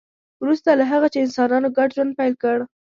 وروسته له هغه چې انسانانو ګډ ژوند پیل کړ